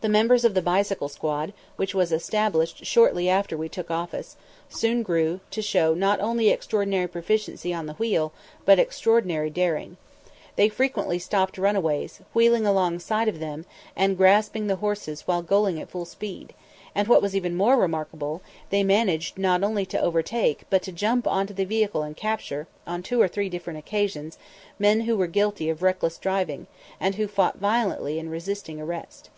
The members of the bicycle squad, which was established shortly after we took office, soon grew to show not only extraordinary proficiency on the wheel, but extraordinary daring. They frequently stopped runaways, wheeling alongside of them, and grasping the horses while going at full speed; and, what was even more remarkable, they managed not only to overtake but to jump into the vehicle and capture, on two or three different occasions, men who were guilty of reckless driving, and who fought violently in resisting arrest.